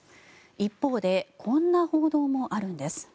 一方でこんな報道もあるんです。